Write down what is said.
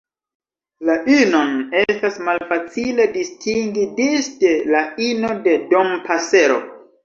La inon estas malfacile distingi disde la ino de Dompasero.